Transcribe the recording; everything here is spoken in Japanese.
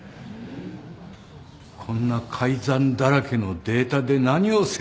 こんな改ざんだらけのデータで何を説明するんだ！